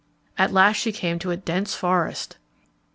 At last she came to a dense forest.